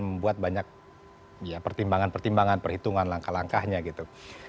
membuat banyak pertimbangan pertimbangan perhitungan langkah langkahnya gitu